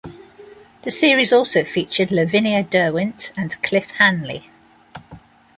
The series also featured Lavinia Derwent and Cliff Hanley.